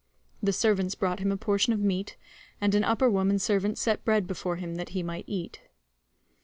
The servants brought him a portion of meat, and an upper woman servant set bread before him that he might eat.